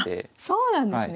そうなんですね！